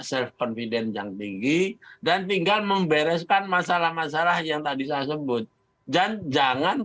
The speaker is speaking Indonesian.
self confidence yang tinggi dan tinggal membereskan masalah masalah yang tadi saya sebut dan jangan